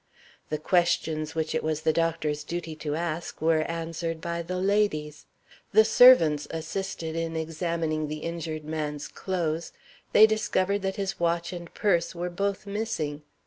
The questions which it was the doctor's duty to ask were answered by the ladies. The servants assisted in examining the injured man's clothes: they discovered that his watch and purse were both missing.